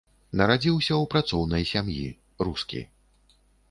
Нарадзіўся ў працоўнай сям'і, рускі.